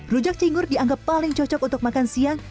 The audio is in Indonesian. rujak cingur dianggap paling cocok untuk makan siang